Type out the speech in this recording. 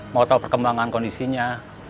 mau tahu perkembangan kondisinya